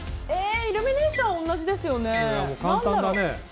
イルミネーションは同じですよね、何だろう。